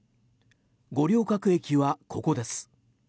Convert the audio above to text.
五稜郭駅はここです。